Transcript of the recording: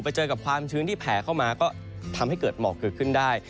เจอกับความชื้นที่แผ่เข้ามาก็ทำให้เกิดหมอกเกิดขึ้นได้